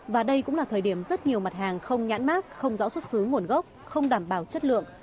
và đây cũng là thời điểm rất nhiều mặt hàng không nhãn mát không rõ xuất xứ nguồn gốc không đảm bảo chất lượng